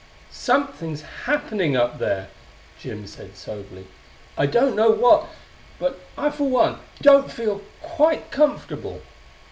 "Something's happening up there," Jim said soberly. "I don't know what; but I, for one, don't feel quite comfortable."